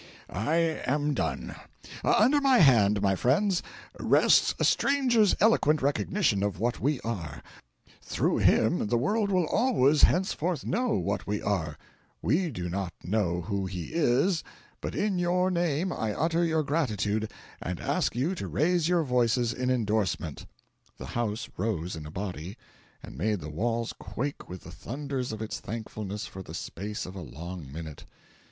I am done. Under my hand, my friends, rests a stranger's eloquent recognition of what we are; through him the world will always henceforth know what we are. We do not know who he is, but in your name I utter your gratitude, and ask you to raise your voices in indorsement." The house rose in a body and made the walls quake with the thunders of its thankfulness for the space of a long minute.